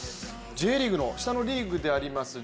Ｊリーグの下のリーグであります